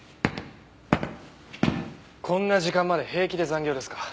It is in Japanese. こんな時間まで平気で残業ですか？